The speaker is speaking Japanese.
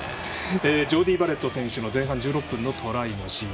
ジョーディー・バレット選手の前半１６分のトライのシーン。